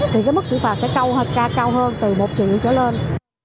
thì mức xử phạt sẽ cao hơn từ một triệu trở lên